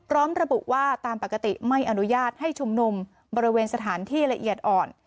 ระบุว่าตามปกติไม่อนุญาตให้ชุมนุมบริเวณสถานที่ละเอียดอ่อน